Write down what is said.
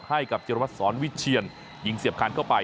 ให้กับจิรวัตรสอนวิเชียนยิงเสียบคันเข้าไป